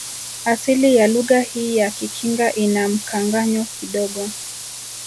Asili ya lugha hii ya kikinga ina mkanganyo kidogo